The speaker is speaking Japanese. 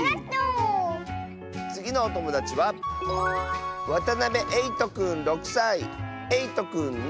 つぎのおともだちはえいとくんの。